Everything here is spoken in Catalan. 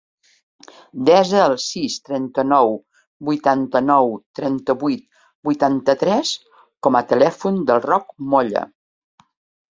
Desa el sis, trenta-nou, vuitanta-nou, trenta-vuit, vuitanta-tres com a telèfon del Roc Molla.